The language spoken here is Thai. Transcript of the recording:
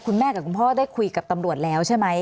คุณพ่อกับคุณพ่อได้คุยกับตำรวจแล้วใช่ไหม